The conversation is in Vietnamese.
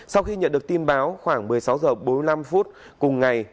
sau khi nhận được tin báo khoảng một mươi sáu h bốn mươi năm phút cùng ngày